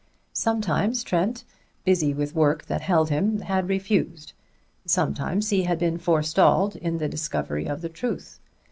Sometimes Trent, busy with work that held him, had refused; sometimes he had been forestalled in the discovery of the truth.